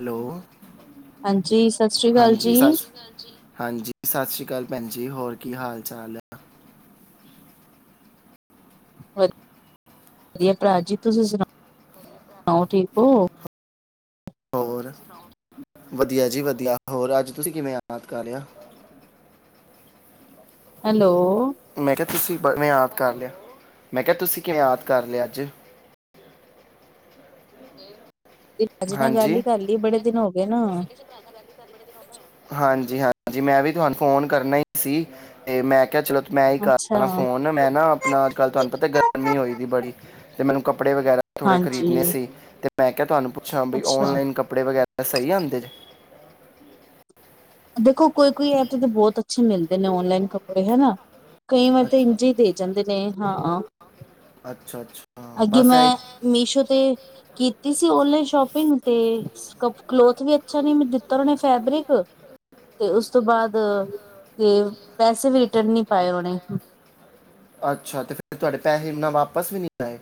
Hello ਹਾਂਜੀ ਸਤਿ ਸ੍ਰੀ ਅਕਾਲ ਜੀ ਹਾਂਜੀ ਸ ਹਾਂਜੀ ਸਤਿ ਸ੍ਰੀ ਅਕਾਲ ਭੈਣ ਜਜੀ ਹੋਰ ਕੀ ਹਾਲ ਚਾਲ ਹੈ ਵਧੀਆ ਭਰਾ ਜੀ ਤੁਸੀਂ ਸੁਣਾ ਸੁਣਾਓ ਠੀਕ ਹੋ ਹੋਰ ਵਧੀਆ ਜੀ ਵਧੀਆ ਹੋਰ ਅੱਜ ਤੁਸੀਂ ਕਿਵੇਂ ਯਾਦ ਕਰ ਰਿਆ ਹੈਲੋ ਮੈਂ ਕਿਹਾ ਤੁਸੀਂ ਬਵੇਂ ਯਾਦ ਕਰ ਲਿਆ ਮੈਂ ਕਿਹਾ ਤੁਸੀਂ ਕਿਵੇਂ ਯਾਦ ਕਰ ਲਿਆ ਅੱਜ ਰਾਜੀ ਨਾ ਹਾਂਜੀ ਗੱਲ ਹੀ ਕਰ ਲਈ ਬੜੇ ਦਿਨ ਹੋ ਗਏ ਨਾ ਹਾਂਜੀ ਹਾਂਜੀ ਮੈਂ ਵੀ ਤੁਹਾਨੂੰ ਫੋਨ ਕਰਨਾ ਹੀ ਸੀ ਤੇ ਮੈਂ ਕਿਹਾ ਚਲੋ ਮੈਂ ਹੀ ਅੱਛਾ ਕਰਾ ਫੋਨ ਮੈਂ ਨਾ ਆਪਣਾ ਅੱਜ ਕੱਲ੍ਹ ਤੁਹਾਨੂੰ ਪਤਾ ਗਰਮੀ ਹੋਈ ਸੀ ਬੜੀ ਤੇ ਮੈਨੂੰ ਕੱ ਕੱਪੜੇ ਵਗੈਰਾ ਥੋੜੇ ਹਾਂਜੀ ਖਰੀਦਣੇ ਸੀ ਤੇ ਮੈਂ ਕਿਹਾ ਤੁਹਾਨੂੰ ਅੱਛਾ ਬ ਨਲਾਈਨ ਕਪੜੇ ਵਗੈਰਾ ਸਹੀ ਆਉਦੇ ਚ ਦੇਖੋ ਕੋਈ ਕੋਈ ਐਪ ਤਾਂ ਬਹੁਤ ਅੱਛੇ ਮਿਲਦੇ ਨੇ ਔਨਲਾਈਨ ਕੱਪੜੇ ਹਨਾ ਕਈ ਵਾਰ ਤਾਂ ਅੱਛਾ ਇੰਝ ਹੀ ਦੇ ਜਾਂਦੇ ਨੇ ਹਾਂ ਅੱਛਾ ਅੱਛਾ ਅੱਗੇ ਬਸ ਇਹ ਮੈਂ ਮੀਸ਼ੋ ਤੇ ਕੀਤੀ ਸੀ ਓਨਲਾਈਨ ਸ਼ੋਪਿੰਗ ਤੇ ਕਲੋਥ ਵੀ ਅੱਛਾ ਨ ਦਿੱਤਾ ਉਹਨੇ ਫੈਬਰਿਕ ਤੇ ਉਸ ਤੋਂ ਬਾਅਦ ਤੇ ਪੈਸੇ ਵੀ ਰਿਟਰਨ ਨੀ ਪਾਏ ਉਹਨੇ ਅੱਛਾ ਤੇ ਫੇਰ ਤੁਹਾਡੇ ਪੈਸੇ ਇਨਾ ਵਾਪ ਪਸਵਨੀ ਲ ਹੈ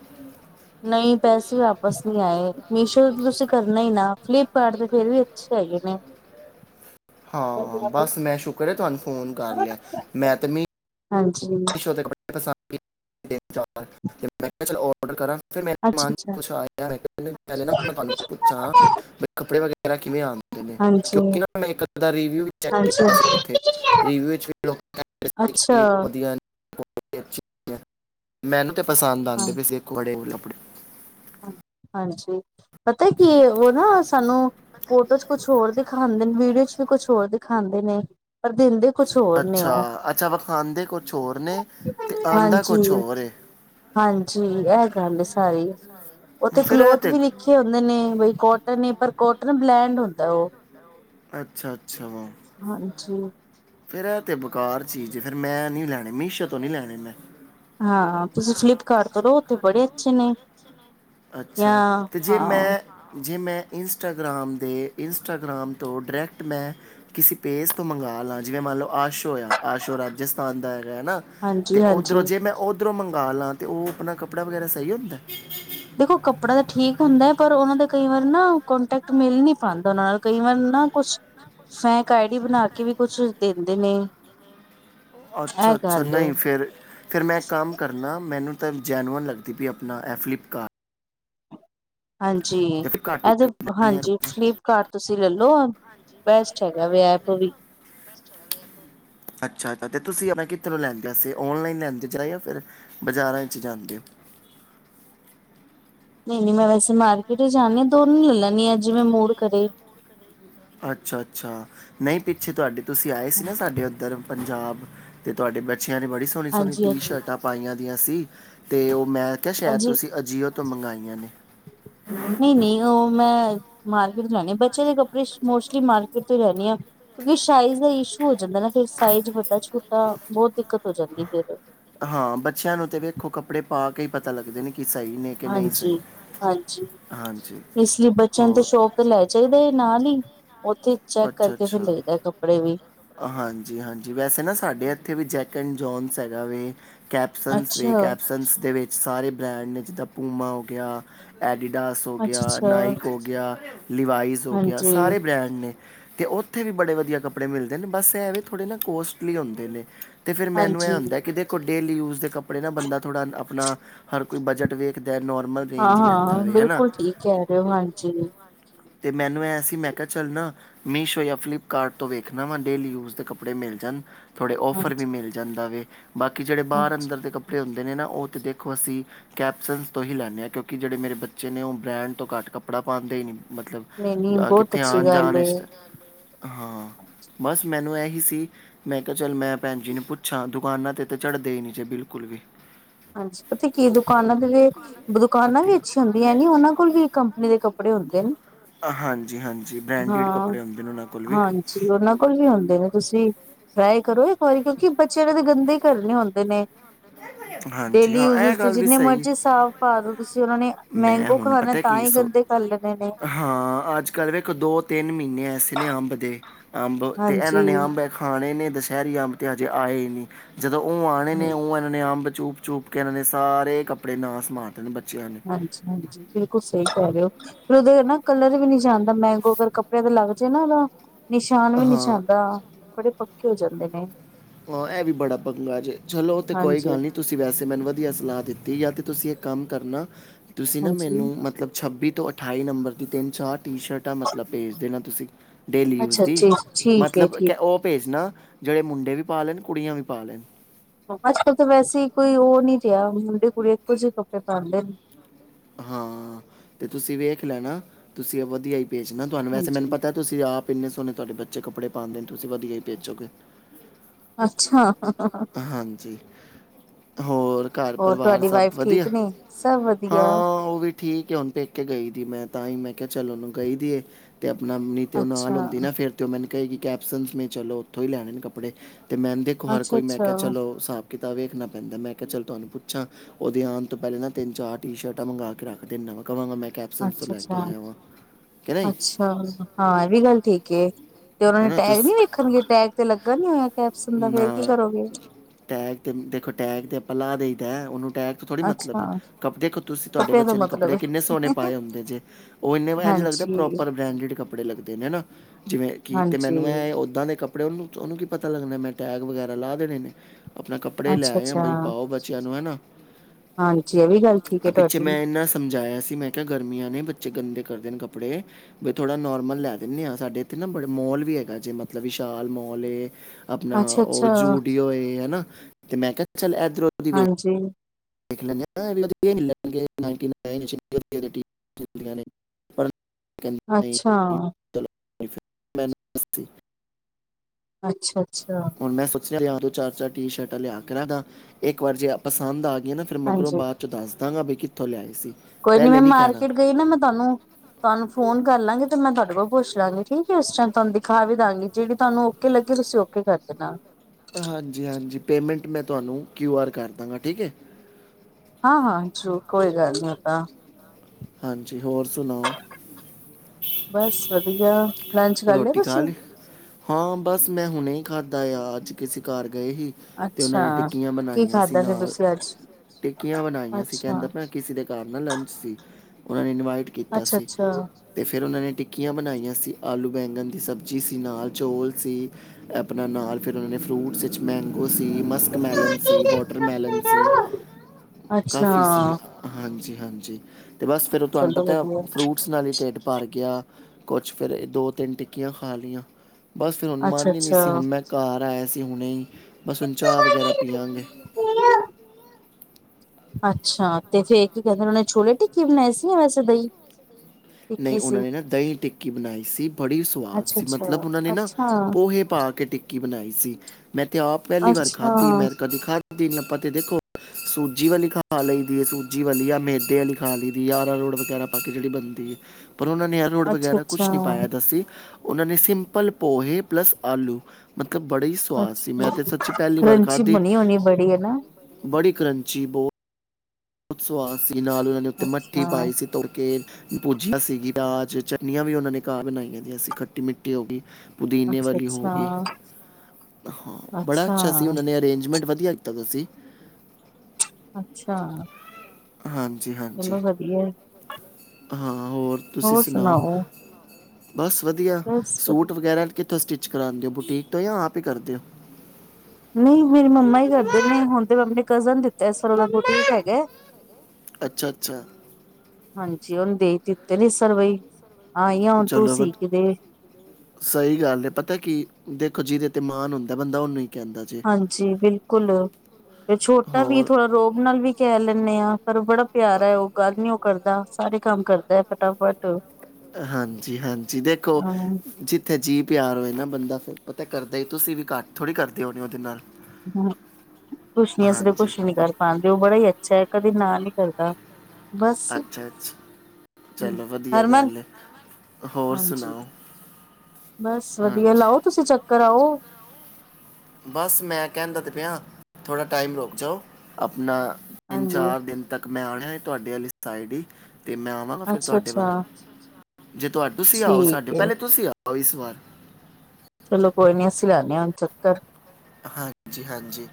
ਨਹੀਂ ਪੈਸੇ ਵਾਪਸ ਨਹੀਂ ਆਏ ਮੀਸ਼ੋ ਤੁਸੀਂ ਕਰਨਾ ਹੀ ਨਾ ਫਲਿਪਕਾਰਟ ਤੇ ਫੇਿਰ ਵੀ ਅੱਛੇ ਹੈਗੇ ਨੇ ਹਾਂ ਬਸ ਮੈਂ ਸ਼ੁਕਰ ਹੈ ਤੁਹਾਨੂੰ ਫੋਨ ਕਰ ਲਿਆ ਮੈਂ ਤੇ ਮ ਹਾਂਜੀ ਤਿੰਨ ਮੈਂ ਚਲ ਔਡਰ ਕਰਾਂ ਫਿਰ ਮੈਂ ਮਾਂ ਅੱਛਾ-ਅੱਛਾ। ਕੁੱਛ ਆ ਪ ਨਾ ਮੈਂ ਤੁਹਾਨੂੰ ਪੁੱਛਾਂ ਕੱਪੜੇ ਵ ਕਿ ਕਿਵੇਂ ਆਉਂਦੇ ਨੇ ਹਾਂਜੀ-ਹਾਂਜੀ ਕਿਉਂਕਿ ਨਾ ਮੈਂ ਇੱਕੱ ਰਿਵਿਊ ਚੈੱਕ ਕੀਤਾ ਸੀਥੇਵਿਊ ਵਿੱਚ ਅੱਛਾ ਵਧੀਆ ਅੱਛ ਮੈਨੂੰ ਤੇ ਪਸੰਦ ਹਾਂ ਆਂਦੇ ਸਿੱਖ ਬੜੇ ੱੜ ਹਾਂਜੀ, ਪਤਾ ਕੀ ਉਹ ਨਾ ਸਾਨੂੰ ਪਤਾ ਕੀ ਫੋਟੋ ਚ ਹੈ ਕੁਛ ਉਹ ਹੋਰ ਨਾ ਸਾਨੂੰ ਦਿਖਾਂਦੇ ਨੇ ਵੀਡੀਓ ਕੋਲ ਛੋੜ ਚ ਕੇ ਵੀ ਭਾਵੇਂ ਕੁਛ ਹੋਰ ਦਿਖਾਂਦੇ ਨੇ ਪਰ ਦਿੰਦੇ ਦੇ ਅੱਛਾ ਅੱਛਾ, ਵਖਾਂਦੇ ਕੁਛ ਹੋਰ ਨੇ ਅਤੇ ਆਂਦਾ ਕੁਛ ਹੋਰ ਹੈ ਜੀ ਇਹ ਗੱਲ ਸਾਰੀ ਉੱਥੇ ਫਿਰ ਇਹ ਕਲੋਥ ਤੇ ਵੀ ਲਿਖੇ ਹੁੰਦੇ ਨੇ ਬਈ ਕੋਟਨ ਪਰ ਕੋਟਨ ਬਲੈਂਡ ਹੁੰਦਾ ਉਹ ਅੱਛਾ ਅੱਛਾ ਵਾਂ, ਹਾਂਜੀ ਫੇਰ ਇਹ ਤੇ ਬੇਕਾਰ ਚੀਜ਼ ਫਿਰ ਮੈਂ ਨੀ ਲੈਣੀ ਮਿਸੋ ਤੋਂ ਨਹੀਂ ਲੈਣੇ ਮੈਂ ਹਾਂ, ਤੁਸੀਂ ਫਲਿੱਪਕਾਰਟ ਤੋਂ ਰਹੋ ਤੇ ਬੜੇ ਅੱਛੇ ਨੇ ਅੱਛਾ ਜਾਂ ਤੇ ਜੇ ਹਾਂ ਮੈਂ ਜੇ ਮੈਂ, ਇੰਸਟਾਗ੍ਰਾਮ ਦੇ ਇੰਸਟਾਗ੍ਰਾਮ ਤੋਂ ਡਾਇਰੈਕਟ ਮੈਂ ਕਿਸੇ ਪੇਜ ਤੋਂ ਮੰਗਾਲਾਂ ਜਿਵੇਂ ਮੰਨ ਲਓ ਆਸ਼ੋ ਆ ਆਸ਼ੋ ਰਾਜਸਥਾਨ ਦਾ ਹੈ ਹਨਾ ਹਾਂਜੀ ਤੇ ਹਾਂਜੀ ਉੱਧਰੋਂ ਜੇ ਮੈਂ ਉਹ ਉੱਧਰੋਂ ਮੰਗਾ ਲਾਂ ਤਾਂ ਉਹ ਆਪਣਾ ਕੱਪੜਾ ਵਗੈਰਾ ਸਹੀ ਹੁੰਦਾ। ਦੇਖੋ ਕੱਪੜਾ ਤਾਂ ਠੀਕ ਹੁੰਦਾ ਹੈ ਪਰ ਉਹਨਾਂ ਦਾ ਕਈ ਵਾਰ ਨਾ ਕੋਂਟੈਕਟ ਮਿਲ ਨੀ ਪਾਉਂਦਾ ਉਹ ਨਾਲ ਕਈ ਵਾਰ ਨਾ ਕੁਛ ਫੈਂਕ ਆਈ ਡੀ ਬਣਾ ਕੇ ਵੀ ਕੁਛ ਦਿੰਦੇ ਨੇ ਅੱਛਾ ਇਹ ਅੱਛਾ, ਗੱਲ ਏ ਨਹੀਂ ਫਿਰ ਫਿਰ ਮੈਂ ਇੱਕ ਕੰਮ ਕਰਨਾ ਮੈਨੂੰ ਮਤਲਬ ਜੈਨੂਅਨ ਲਗਦੀ ਪਈ ਆਪਣਾ ਇਹ ਫਲਿੱਪਕਾਰਟ ਹਾਂਜੀ, ਤੇ ਫਲਿੱਪਕਾਰਟ ਤੇ ਇਹਦੇ ਖਰੀਦ ਲੈਣੇ ਹਾਂਜੀ ਆਪਣੇ ਫਲਿੱਪਕਾਰਟ ਤੁਸੀਂ ਲੈਲੋ ਬੈਸਟ ਹੈਗਾ ਵੀ ਐਪ ਵੀ ਅੱਛਾ ਅੱਛਾ ਤੇ ਤੁਸੀਂ ਆਪ ਕਿੱਥੇ ਲੈਂਦੇ ਵੈਸੇ ਔਨਲਾਈਨ ਲੈਂਦੇ ਜਾ ਜਾਂ ਫਿਰ ਬਾਜ਼ਾਰਾਂ ਚ ਜਾਂਦੇ ਹੋ ਨਹੀਂ ਨਹੀਂ ਮੈਂ ਵੈਸੇ ਮਾਰਕੀਟ ਚ ਜਾਣੀ ਆ ਦੋਨੋ ਲੈ ਲੈਣੀ ਆ ਜਿਵੇਂ ਮੋੜ ਕਰੇ ਅੱਛਾ ਅੱਛਾ ਨਹੀਂ ਪਿੱਛੇ ਤੁਹਾਡੇ ਤੁਸੀਂ ਆਏ ਸੀ ਨਾ ਸਾਡੇ ਉੱਧਰ ਪੰਜਾਬ ਤੇ ਤੁਹਾਡੇ ਬੈ ਬੱਚਿਆਂ ਨੇ ਬੜੀ ਸੋਹਣੀ ਸੋਹਣੀ ਹਾਂਜੀ ਟੀ ਹਾਂਜੀ ਸ਼ਰਟਾਂ ਪਾਈਆਂ ਆਂ ਸੀ ਤੇ ਉਹ ਮੈਂ ਕਿਹਾ ਸ਼ਾਇਦ ਤੁਸੀਂ ਅਜੀਓ ਤੋਂ ਮੰਗਾਈਆਂ ਨੇ ਨਹੀਂ ਨਹੀਂ ਉਹ ਮੈਂ ਮਾਰਕੀਟ ਜਾਣੀ ਬੱਚੇ ਦੇ ਕੱਪੜੇ ਮੋਸਟਲੀ ਮਾਰਕੀਟ ਤੋਂ ਹੀ ਲੈਣੀ ਆ ਕਿਉਂਕਿ ਸਾਈਜ਼ ਦਾ ਇਸ਼ੂ ਜਾਂਦਾ ਨਾ ਫਿਰ ਸਾਈਜ਼ ਵੱਡਾ ਛੋਟਾ ਤਾਂ ਬਹੁਤ ਦਿੱਕਤ ਹੋ ਜਾਂਦੀ ਫਿਰ। ਹਾਂ ਬੱਚਿਆਂ ਨੂੰ ਤੇ ਵੇਖੋ ਕੱਪੜੇ ਪਾ ਕੇ ਹੀ ਪਤਾ ਲੱਗਦੇ ਨੇ ਕਿ ਸਹੀ ਨੇ ਕਿ ਨਹੀਂ ਸਹੀ ਹਾਂਜੀ ਹਾਂਜੀ, ਹਾਂਜੀ ਇਸ ਲਈ ਬੱਚਿਆਂ ਤੋਂ ਹੋਰ ਸ਼ੋਪ ਤਾਂ ਲੈ ਜਾਈਦਾ ਨਾਲ ਹੀ ਉੱਥੇ ਚੈੱਕ ਅੱਛਾ ਕਰਕੇ ਫਿਰ ਅੱਛਾ, ਲਈਦਾ ਕੱਪੜੇ ਵੀ ਹਾਂਜੀ ਹਾਂਜੀ ਵੈਸੇ ਨਾ ਸਾਡੇ ਇੱਥੇ ਵੀ ਜੈਕ ਜੋਨ ਸੈਗਾਵੇ ਕੈਪਸਨ ਅੱਛਾ, ਕੈਪਸਨ ਦੇ ਵਿੱਚ ਸਾਰੇ ਬ੍ਰੈਂਡ ਨੇ ਜਿੱਦਾਂ ਪੂਮਾ ਹੋ ਗਿਆ ਇ ਐਡਿਡਾਸ ਹੋ ਗਿਆ ਅੱਛਾ-ਅੱਛਾ ਨਾਈਕ ਹੋ ਗਿਆ ਲਿਵਾਈਜ਼ ਹੋ ਗਿਆ ਹਾਂਜੀ। ਸਾਰੇ ਬ੍ਰੈਂਡ ਨੇ। ਤੇ ਉੱਥੇ ਵੀ ਬੜੇ ਵਧੀਆ ਕੱਪੜੇ ਮਿਲਦੇ ਨੇ, ਬਸ ਐਂਵੇਂ ਥੋੜ੍ਹੇ ਨਾ ਕੋਸਟਲੀ ਹੁੰਦੇ ਨੇ ਤੇ ਫਿਰ ਮੈਨੂੰ ਇਹ ਹਾਂਜੀ ਹੁੰਦਾ ਕਿ ਦੇਖੋ ਡੇਲੀ ਯੂਜ ਦੇ ਕੱਪੜੇ ਨਾ ਬੰਦਾ ਥੋੜ੍ਹਾ ਆਪਣਾ ਹਰ ਕੋਈ ਬਜਟ ਵੇਖਦਾ ਨੋਰਮਲ ਹਾਂ ਰੇਂਜ ਹੀ ਹਾਂ ਲੈਂਦਾ ਵੇ ਹੈਨਾ ਬਿਲਕੁਲ ਠੀਕ ਕਹਿ ਰਹੇ ਹੋ ਹਾਂਜੀ। ਤੇ ਮੈਨੂੰ ਐ ਸੀ, ਮੈਂ ਕਿਹਾ ਚੱਲਣਾ ਮੀਸ਼ੋ ਜਾਂ ਫਲਿੱਪਕਾਡ ਤੋਂ ਵੇਖਣਾ ਵਾ, ਡੇਲੀ ਯੂਜ ਦੇ ਕੱਪੜੇ ਮਿਲ ਜਾਣ। ਥੋੜ੍ਹੇ ਔਫਰ ਵੀ ਹਾਂਜੀ-ਹਾਂਜੀ-ਹਾਂਜੀ। ਮਿਲ ਜਾਂਦਾ ਵੇ। ਬਾਕੀ ਜਿਹੜੇ ਬਾਹਰ ਅੰਦਰ ਦੇ ਕੱਪੜੇ ਹੁੰਦੇ ਨੇ ਨਾ ਉਹ ਤਾਂ ਦੇਖੋ ਅਸੀਂ ਕੈਪਸਨਸ ਤੋਂ ਹੀ ਲੈਂਦੇ ਆ, ਕਿਉਂਕਿ ਜਿਹੜੇ ਮੇਰੇ ਬੱਚੇ ਨੇ ਉਹ ਬ੍ਰੈਂਡ ਤੋਂ ਘੱਟ ਕੱਪੜਾ ਪਾਉਂਦੇ ਹੀ ਨੀ ਮਤਲਬ ਨਹੀਂ-ਨਹੀਂ ਬਹੁਤ ਕਿੱਥੇ ਅੱਛੀ ਆਉਣ ਗੱਲ ਜਾਣ ਵਿੱਚ, ਏ ਹਾਂ ਬਸ ਮੈਨੂੰ ਇਹੀ ਸੀ ਮੈਂ ਕਿਹਾ ਚੱਲ ਮੈਂ ਭੈਣ ਜੀ ਨੂੰ ਪੁੱਛਾਂ, ਦੁਕਾਨਾਂ ਤੇ ਤਾਂ ਚੜਦੇ ਹੀ ਨਹੀਂ ਜੇ ਬਿਲਕੁਲ ਵੀ। ਹਾਂਜੀ ਪਤਾ ਕੀ ਆ ਦੁਕਾਨਾਂ ਦੇ ਦੁਕਾਨਾਂ ਪੱਤੀ ਵੀ ਬਾ ਅੱਛੀਆਂ ਹੁੰਦੀਆਂ ਹੈ, ਨੀ ਉਹਨਾਂ ਕੋਲ ਵੀ ਕੰਪਨੀ ਦੇ ਕੱਪੜੇ ਹੁੰਦੇ ਨੇ ਹਾਂਜੀ ਹਾਂਜੀ ਬ੍ਰਾਂਡਡ ਹਾਂ ਕੱਪੜੇ ਹੁੰਦੇ ਨੇ ਉਹਨਾਂ ਕੋਲ ਵੀ ਹਾਂਜੀ ਉਹਨਾਂ ਕੋਲ ਵੀ ਹੁੰਦੇ ਨੇ, ਤੁਸੀਂ ਟਰਾਈ ਕਰੋਗੇ ਇੱਕ ਵਾਰੀ ਕਿਉਂਕਿ ਬੱਚਿਆਂ ਤਾਂ ਗੰਦੇ ਹੀ ਕਰਨੇ ਹੁੰਦੇ ਨੇ। ਹਾਂਜੀ ਡੇਲੀ ਹਾਂ ਇਹ ਯੂਜਜ਼ ਤੇ ਗੱਲ ਵੀ ਜਿੰਨੇ ਸਹੀ ਮਰਜ਼ੀ ਸਾਫ਼ ਪਾ ਦੋ ਤੁਸੀਂ, ਉਹਨਾਂ ਨੇ ਮੈਂ ਮੈਂਗੋ ਹੁਣ ਖਾਣਾ ਪਤਾ ਤਾਂ ਕੀ ਹੀ ਸੋ ਗੰਦੇ ਕਰ ਲੈਣੇ ਨੇ ਹਾਂ, ਅੱਜ ਕੱਲ੍ਹ ਵੇਖ ਦੋ ਤਿੰਨ ਮਹੀਨੇ ਐਸੇ ਨੇ ਅੰਬ ਦੇ ਅੰਬ ਤੇ ਇਹਨਾਂ ਹਾਂਜੀ। ਨੇ ਅੰਬ ਆ ਖਾਣੇ ਨੇ ਦੁਸਹਿਰੀ ਅੰਬ ਤੇ ਅਜੇ ਆਏ ਨਹੀਂ। ਜਦੋਂ ਉਹ ਆਉਣੇ ਨੇ, ਉਹ ਇਹਨਾਂ ਨੇ ਅੰਬ ਚੁਪ ਚੁਪ ਕੇ ਇਹਨਾਂ ਨੇ ਸਾਰੇ ਕੱਪੜੇ ਨਾਸ ਮਾਰਤੇ ਨੇ ਬੱਚਿਆਂ ਨੇ ਹਾਂਜੀ ਹਾਂਜੀ ਬਿਲਕੁਲ ਸਹੀ ਕਹਿ ਰਹੇ ਹੋ, ਫਿਰ ਉਹਦੇ ਨਾ ਕਲਰ ਵੀ ਜਾਦਾ, ਮੈਂਗੋ ਅਗਰ ਕੱਪੜਿਆਂ ਤੇ ਲੱਗ ਜਾਏ ਨਾ ਉਹਦਾ ਨਿਸ਼ਾਨ ਵੀ ਨੀ ਹਾਂ ਜਾਦਾ, ਬੜੇ ਪੱ ਕੇ ਹੋ ਜਾਂਦੇ ਨੇ। ਹਾਂ ਇਹ ਵੀ ਬੜਾ ਪੰਗਾ ਜੇ, ਚਲੋ ਤੇ ਕੋਈ ਹਾਂਜੀ ਗੱਲ ਨੀ, ਤੁਸੀਂ ਵੈਸੇ ਮੈਨੂੰ ਵਧੀਆ ਸਲਾਹ ਦਿੱਤੀ ਜਾਂ ਤੇ ਤੁਸੀਂ ਇੱਕ ਕੰਮ ਕਰਨਾ ਤੁਸੀਂ ਨਾ ਹਾਂਜੀ। ਮੈਨੂੰ ਮਤਲਬ ਛੱਬੀ ਤੋਂ ਅਠਾਈ ਨੰਬਰ ਤਿੰਨ ਚਾਰ ਟੀ ਸ਼ਰਟਾਂ ਮਤਲਬ ਭੇਜ ਦੇਣਾ, ਤੁਸੀਂ। ਡੇਲੀ ਯੂਜ ਅੱਛਾ ਦੀ, ਜੀ ਠੀਕ ਹੈ ਮਤਲਬ ਕਿ ਠੀਕ ਉਹ ਭੇਜਣਾ ਜਿਹੜੇ ਮੁੰਡੇ ਵੀ ਪਾ ਲੈਣ ਕੁੜੀਆਂ ਵੀ ਪਾ ਲੈਣ। ਅੱਜ ਕੱਲ ਤਾਂ ਵੈਸੇ ਹੀ ਕੋਈ ਉਹ ਨੀ ਰਿਹਾ, ਮੁੰਡੇ ਕੁੜੀ ਇੱਕੋ ਜਿਹੇ ਕੱਪੜੇ ਪਾਉਦੇ ਨੇ। ਹਾਂ ਤੇ ਤੁਸੀਂ ਵੇਖ ਲੈਣਾ, ਤੁਸੀਂ ਵਧੀਆ ਈ ਭੇਜਣਾ ਤੁਹਾਨੂੰ ਵੈਸੇ ਮੈਨੂੰ ਹਾਂਜੀ ਪਤਾ, ਤੁਸੀਂ ਆਪ ਕਿੰਨੇ ਸੋਹਨੇ ਤੁਹਾਡੇ ਬੱਚੇ ਕੱਪੜੇ ਪਾਉਦੇ ਨੇ ਤੁਸੀਂ ਵਧੀਆ ਹੀ ਪੇਜੋਗੇ ਅੱਛਾ ਹਾਂਜੀ, ਹੋਰ ਘਰ ਹੋਰ ਪਰਿਵਾਰ ਤੁਹਾਡੀ ਸਭ ਵਾਈਫ ਵਧੀਆ? ਠੀਕ ਨੇ ਸਭ ਵਧੀਆ ਹਾਂ, ਉਹ ਵੀ ਠੀਕ ਐ ਹੁਣ ਪੇਕੇ ਗਈ [unintelligible] ਮੈਂ ਤਾਂ ਹੀ ਮੈਂ ਕੇ ਚੱਲੋ ਹੁਣ ਗਈ ਦੀ ਐ ਤੇ ਆਪਣਾ ਨਹੀਂ ਤੇ ਉਹ ਨਾਲ ਅੱਛਾ ਹੁੰਦੀ ਨਾ ਫੇਰ ਤੇ ਉਹ ਮੈਨੂੰ ਕਹੇਗੀ ਕੈਪਸਨਸਮ ਮੇ ਚਲੋ ਉੱਥੋਂ ਹੀ ਲੈਣੇ ਨੇ ਕੱਪੜੇ ਅਤੇ ਮੈਮ ਦੇਖੋ ਹਰ ਅੱਛਾ ਅੱਛਾ ਕੋਈ ਮੈਂ ਕਿਹਾ ਚਲੋ ਸਭ ਕਿਤਾ ਵੇਖਣਾ ਪੈਂਦਾ ਮੈਂ ਕਿਹਾ ਚੱਲ ਤੁਹਾਨੂੰ ਪੁੱਛਾਂ ਉਦੇ ਆਣ ਤੋਂ ਪਹਿਲਾਂ ਨਾ ਤਿੰਨ ਚਾਰ ਟੀ ਸ਼ਰਟਾਂ ਮੰਗਵਾ ਕੇ ਰੱਖ ਦਿਨਾਂ ਵਾਂ ਕਵਾਂਗਾ ਮੈ ਨਹੀਂ ਅੱਛਾ-ਅੱਛਾ-ਅੱਛਾ, ਹਾਂ ਏਵੀ ਗੱਲ ਠੀਕ ਏ। ਤੇ ਉਹਨਾਂ ਹੈ ਨੇ ਨਾ ਟੈਗ ਤੁਸ ਨੀ ਵੇਖਣਗੇ ਟੈਗ ਤੇ ਲੱਗਾ ਨੀ ਹੋਇਆ ਕੈਪਸਨ ਦਾ ਫੇਰ ਕੀ ਨਾ ਕਰੋਗੇ ਟੈਗ ਦੇਖੋ ਟੈਗ ਦੇ ਆਪਾ ਲਾ ਦਈਦਾ, ਟੈਗ ਤੋਂ ਥੋੜੀ ਮਤਲਬ ਅੱਛਾ ਕੱਪੜੇ ਤੁਸੀਂ ਤੁਹਾਡੇ ਕੱਪੜਿਆਂ ਤੋਂ ਬੱਚੇ ਨੇ ਮਤਲਬ ਕੱਪੜੇ ਏ। ਕਿੰਨੇ ਸੋਹਣੇ ਪਾਏ ਹੁੰਦੇ ਜੇ ਉਹ ਇੰਨੇ ਐਂਜ ਲੱਗਦਾ ਹਾਂਜੀ ਪ੍ਰੋਪਰ ਬਰੈਂਡਡ ਕੱਪੜੇ ਲੱਗਦੇ ਨੇ ਹਨਾ, ਜਿਵੇਂ ਕਿ ਤੇ ਹਾਂਜੀ ਮੈਨੂੰ ਐਂ ਉਦਾਂ ਦੇ ਕੱਪ ਕੱਪੜੇ ਉਹਨੂੰ-ਉਹਨੂੰ ਕੀ ਪਤ ਤਾ ਲੱਗਨਾ ਮੈਂ ਟੈਗ ਵਗੈਰਾ ਲਾ ਦੇਣੇ ਨੇ। ਆਪਣਾ ਕੱਪੜੇ ਲਾ ਅੱਛਾ ਆਏ ਹਾਂ ਅੱਛਾ ਬਈ ਪਾਓ ਬੱਚਿਆਂ ਨੂੰ ਹੈ ਨਾ ਹਾਂ ਹਾਂਜੀ ਇਹ ਵੀ ਗੱਲ ਠੀਕ ਹੈ ਪਿੱਛੇ ਮੈਂ ਤੁਹਾਡੀ ਇਨਾ ਸਮਝਾਇਆ ਸੀ ਮੈਂ ਕਿਹਾ ਗਰਮੀਆਂ ਨੇ ਬੱਚੇ ਗੰਦੇ ਕਰਦੇ ਨੇ ਕੱਪੜੇ ਵੀ ਥੋੜ੍ਹਾ ਨੋਰਮਲ ਲੈ ਦਿੰਨੇ ਆ ਸਾਡੇ ਇੱਥੇ ਨਾ ਬੜੇ ਮੋਲ ਵੀ ਹੈਗਾ ਜੇ ਮਤਲਬ ਵਿਸ਼ਾਲ ਮੋਲ ਏ ਆਪਣਾ ਅੱਛਾ ਉਹ ਅੱਛਾ ਜੂਡੀਓ ਏ ਹਨਾਂ ਤੇ ਮੈਂ ਕਿਹਾ ਚੱਲ ਇਧਰੋਂ ਵੀ ਵੇ ਹਾਂਜੀ [unintelligible] ਹੁੰਦੀਆ ਨੇ, ਕਹਿੰਦੇ ਨਹੀਂ ਅੱਛਾ, [inaudible] ਅੱਛਾ-ਅੱਛਾ, ਹੁਣ ਮੈਂ ਸੋਚਿਆ, ਦੋ-ਦੋ ਚਾਰ ਚਾਰ ਟੀ ਸ਼ਰਟਾ। ਲਿਆ ਕੇ ਰੱਖਦਾ ਇੱਕ ਵਾਰ ਜੇ ਪਸੰਦ ਆ ਨਾ ਫੇਰ ਮਗਰੋਂ ਹਾਂਜੀ ਬਾਅਦ ਚ ਦਸ ਦਾ ਗਾ ਵੀ ਕਿੱਥੋਂ ਲਿਆਏ ਸੀ। ਕੋਈ ਨੀ ਪਹਿਲੇ ਮੈਂ ਨਹੀਂ ਕਹਿਣਾ ਮਾਰਕੀਟ ਗਈ ਨਾ ਮੈਂ ਤੁਹਾਨੂੰ ਤੁਹਾਨੂੰ ਫੋਨ ਕਰ ਲਾਂਗੇ ਤੇ ਮੈਂ ਤੁਹਾਡੇ ਕੋਲ ਪੁੱਛ ਲਾਂਗੀ ਠੀਕ ਹੈ ਉਸ ਟਾਈਮ ਤੁਹਾਨੂੰ ਦਿਖਾ ਵੀ ਦਾਂਗੀ ਜਿਹੀ ਤੁਹਾਨੂੰ ਓਕੇ ਲੱਗੀ ਤੁਸੀਂ ਓਕੇ ਕਰ ਦੇਣਾ। ਹਾਂਜੀ-ਹਾਂਜੀ ਪੇਮੈਂਟ ਮੈਂ ਤੁਹਾਨੂੰ ਕਿਊ ਆਰ ਕਰ ਦਾਂਗਾ ਠੀਕ ਐ। ਹਾਂ-ਹਾਂ, ਜਰੂਰ ਕੋਈ ਗੱਲ ਨਹੀਂ ਤਾਂ। ਹਾਂਜੀ, ਹੋਰ ਸੁਣਾਓ? ਬਸ ਵਧੀਆ ਲੰਚ ਕਰ ਲਿਆ ਰੋਟੀ ਖਾ ਤੁਸੀਂ ਲਈ? ਹਾਂ ਬਸ ਮੈਂ ਹੁਣੇ ਹੀ ਖਾਧਾ ਆ। ਅੱਜ ਕਿਸੇ ਘਰ ਗਏ ਸੀ ਤੇ ਉਹਨਾਂ ਅੱਛਾ ਨੇ ਟਿੱਕੀਆਂ ਕੀ ਬਣਾਈਆਂ ਸੀ, ਖਾਧਾ ਫਿਰ ਨਾਲ ਤੁਸੀਂ ਅੱਜ ਟਿੱਕੀਆਂ ਬਣਾਈਆਂ ਸੀ ਅੱਛਾ, ਕਹਿੰਦਾ, ਮੈਂ ਕਿਸੇ ਦੇ ਘਰ ਨਾ ਲੰਚ ਸੀ ਉਹਨਾਂ ਨੇ ਇਨਵਾਈਟ ਕੀਤਾ ਸੀ ਅੱਛਾ-ਅੱਛਾ ਅਤੇ ਫਿਰ ਉਹਨਾਂ ਨੇ ਟਿੱਕੀਆਂ ਬਣਾਈਆਂ ਸੀ। ਆਲੂ ਬੈਂਗਣ ਦੀ ਸਬਜ਼ੀ ਸੀ, ਨਾਲ ਚੌਲ ਸੀ ਆਪਣਾ ਨਾਲ ਫਿਰ ਉਹਨਾਂ ਨੇ ਫਰੂਟਸ ਵਿੱਚ ਮੈਂਗੋ ਸੀ ਮਸ ਮੈਲਨ ਸੀ ਵਾਟਰਮੈਲਨ ਸੀ ਅੱਛਾ ਅੱਛਾ, ਕਾਫੀ ਸੀ, ਹਾਂਜੀ। ਹਾਂਜੀ, ਬਸ ਫਿਰ ਉਹ ਤੁਹਾਨੂੰ ਚਲੋ ਪਤਾ ਵਧੀਆ ਫਰੂਟਸ ਨਾਲ ਹੀ ਟਿੱਡ ਭਰ ਗਿਆ, ਕੁਛ ਫਿਰ ਦੋ ਤਿੰਨ ਟੱਕ ਕੀਆਂ ਖਾ ਲਈਆਂ। ਬਸ ਫੇਰ ਹੁਣ ਮਨ ਹੀ ਨੀ ਸੀ, ਹੁਣ ਮੈਂ ਘਰ ਆਇਆ ਅਸੀਂ ਹੁਣੇ, ਬਸ ਹੁਣ ਚਾਹ ਵਗੈਰਾ ਪੀਆਂ ਅੱਛਾ-ਅੱਛਾ ਗੇ। ਅੱਛਾ ਅੱਛਾ ਤੇ ਫੇਰ ਕੀ ਕਹਿੰਦੇ, ਉਹ ਨੇ ਛੋਲੇ ਟੱਕੀ ਬਣਾਏ ਸੀ, ਜਾ ਵੈਸੇ ਦਹੀਂ ਨਹੀਂ ਟਿੱਕੀ ਉਹਨਾਂ ਸੀ। ਨੇ ਨਾ ਦਹੀਂ ਟਿੱਕੀ ਬਣਾਈ ਸੀ, ਬੜੀ ਸਵਾਦ ਅੱਛਾ ਸੀ। ਅੱਛਾ ਮਤਲਬ ਉਹਨਾਂ ਨੇ ਨਾ ਅੱਛਾ ਪੋਹੇ ਪਾ ਕੇ ਟਿੱਕੀ ਬਣਾਈ ਸੀ। ਮੈਂ ਤੇ ਆਪ ਪਹਿਲੀ ਵਾਰ ਅੱਛਾ ਖਾਧੀ, ਮੈਂ ਕਦੀ ਖਾਤੀ ਨੀ ਆਪਾਂ ਤੇ ਦੇਖੋ ਸੂਜੀ ਵਾਲੀ ਖਾ ਲਈ ਦੀ ਆ, ਸੂਜੀ ਵਾਲੀ ਜਾਂ ਮੈਦੇ ਆਲੀ ਖਾ ਲਈ ਦੀ ਜਾਂ, ਆਰਰੋਟ ਵਗੈਰਾ ਪਾ ਕੇ ਜਿਹੜੀ ਬਣਦੀ ਆ। ਪਰ ਉਹਨਾਂ ਨੇ ਆਰਾਰੋਟ ਅੱਛਾ ਵਗੈਰਾ, ਕੁਛ ਨਹੀਂ ਅੱਛਾ ਪਾਇਆ ਦੱਸੀ ਉਹ ਨੇ ਸਿੰਪਲ ਪੋਹੇ ਪਲੱਸ ਆਲੂ ਮਤਲ ਬੜੇ ਹੀ ਸਵਾਦ ਸੀ, ਮੈਂ ਅੱਛਾ ਤੇ ਸੱਚੀ ਪਹਿਲੀ ਵਾਰ ਕਰੰਚੀ ਖਾਂਦੀ ਬਣੀ ਹੋਣੀ ਬੜੀ ਹੈ ਨਾ ਬੜੀ ਕ੍ਰੰਚੀ ਬਹੁ ਬਹੁਤ ਸਵਾਦ ਸੀ। ਨਾਲ ਉਹਨਾਂ ਨੇ ਉੱਤੇ ਮੱਠੀ ਅੱਛਾ ਪਾਈ ਸੀ, ਤੋੜ ਕੇ ਪੂਜੀਆਂ ਸੀਗੀ, ਪਿਆਜ ਚਟਨੀਆਂ ਵੀ ਉਹਨਾਂ ਨੇ ਘਰ ਬਣਾਈਆਂ ਦੀਆਂ ਸੀ। ਖੱਟੀ ਮਿੱਠੀ ਹੋ ਗਈ। ਪੁਦੀਨੇ ਅੱਛਾ ਵਾਲੀ ਹੋ ਗਈ ਅੱਛਾ ਹਾਂ, ਬੜਾ ਅੱਛਾ ਸੀ ਉਹਨਾਂ ਨੇ ਅਰੇਂਜਮੈਂਟ ਵ ਆ ਕੀਤਾ ਪਿਆ ਸੀ। ਅੱਛਾ ਹਾਂਜੀ-ਹਾਂਜੀ, ਚਲੋ ਵਧੀਆ ਹਾਂ-ਹਾਂ ਹੋਰ ਤੁਸੀਂ ਸੁਣਾਓ? ਬਸ ਵਧੀਆ, ਬਸ ਸੂਟ ਵਧੀਆ ਵਗੈਰਾ ਕਿ ਕਿਥੋਂ ਸਟਿਚ ਕਰਾਂਦੇ ਹੋ? ਬੁਟੀਕ ਤੋਂ ਜਾ ਆਪ ਹੀ ਕਰਦੇ ਹੋ? ਨਹੀਂ ਮੇਰੀ ਮੰਮਾ ਹੀ ਕਰਦੇ ਨੇ, ਹੁਣ ਤੇ ਮੰਮੀ ਨੇ ਕਜ਼ਨ ਦਿੱਤਾ ਹੈ ਸਲਣਾ ਬੂਟੀਕ ਹੈਗਾ ਏ। ਅੱਛਾ ਅੱਛਾ ਹਾਂਜੀ ਉਹਨੂੰ ਦੇਈ ਦਿੱ ਤੇ ਨਹੀਂ ਸਰਵਈ ਚਲੋ ਵ ਸਹੀ ਗੱਲ ਹੈ ਪਤਾ ਕੀ ਦੇਖੋ ਜਿਹਦੇ ਤੇ ਮਾਣ ਹੁੰਦਾ ਬੰਦਾ ਹਨੇ ਹਾਂਜੀ ਬਿਲਕੁਲ ਤੇ ਛੋਟਾ ਵੀ ਹੋਰ ਥੋੜ੍ਹਾ ਰੋਬ ਨਾਲ ਵੀ ਕਹਿ ਲੈਂਦੇ ਹਾਂ ਪਰ ਬੜਾ ਪਿਆਰਾ ਹੈ ਉਹ ਗੱਲ ਨੀ ਉਹ ਕਰਦੇ ਦਾ ਸਾਰੇ ਕੰਮ ਕਰਦਾ ਹੈ ਫਟਾਫਟ ਹਾਂਜੀ ਹਾਂਜੀ ਦੇਖੋ ਹਮ ਜਿੱਥੇ ਜੀਅ ਪਿਆਰ ਹੋਏ ਨਾ ਬੰਦਾ ਫਿਰ ਪਤਾ ਕਰਦਾ ਹੀੀ ਤੁਸੀਂ ਵੀ ਘੱਟ ਥੋੜ੍ਹੀ ਕਰਦੇ ਹੋਣੀ ਉਹਦੇ ਨਾਲ ਹਮ ਕੁੁਛਸ਼ਨੀਆਂ ਸਧ ਹਾਂਜੀ ਕੁਛ ਨੀ ਕਰ ਪਾਉਂਦੇ ਉਹ ਬੜਾ ਹੀ ਅੱਛਾ ਹੈ ਕਦੇ ਨ ਨੀ ਕਰਦਾ ਬਸ ਅੱਛਾ ਅੱਛਾ ਚਲੋ ਵਧੀਆ ਹਰਮਨ ਗੱਲ ਏ ਹੋਰ ਹਾਂਜੀ ਸੁਣਾਓ ਬਸ ਵਧੀਆ ਲਾਓ ਹਾਂਜੀ ਤੁਸੀਂ ਚੱਕਰ ਆਓ ਬਸ ਮੈਂ ਕਹਿੰਦਾ ਤੇ ਪਿਆ ਥੋੜ੍ਹਾ ਟਾਈਮ ਰੁਕ ਜਾਓ ਆਪਣਾ ਤਿੰਨ ਹਾਂਜੀ ਚਾਰ ਦਿਨ ਤੱਕ ਮੈਂ ਆਣਾ ਤੁਹਾਡੇ ਵਾਲੀ ਸਾਈਡ ਹੀ ਅਤੇ ਮੈਂ ਆਵਾਂਗਾ ਫਿਰ ਅੱਛਾ ਤੁਹਾਡੇ ਅੱਛਾ ਵੱਲ ਜੇ ਤੁਹਾ ਤੁਸੀਂ ਆਓ ਸਾਡੇ ਠੀਕ ਹੈ ਪਹਿਲੇ ਤੁਸੀਂ ਆਓ ਬਵਿਸ ਵਾਰ ਚਲੋ ਕੋਈ ਨਹੀਂ ਅਸੀਂ ਲੈਣੇ ਹ ਹੁਣ ਚੱਕਰ ਹਾਂਜੀ ਹਾਂਜੀ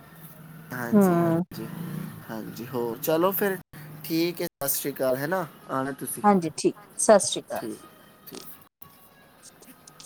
ਹਾਂਜੀ ਹਮ ਹਾਂਜੀ ਹਾਂਜੀ ਹੋ ਚਲੋ ਫਿਰ ਠੀਕ ਹੈ ਸਤਿ ਸ਼੍ਰੀ ਅਕਾਲ ਹੈ ਨਾ ਆਣਾ ਤੁਸੀਂ ਹਾਂਜੀ ਠੀਕ ਸਤਿ ਸ੍ਰੀ ਠੀਕ ਅਕਾਲ ਸ਼੍ਰੀ [inaudible] [inaudible]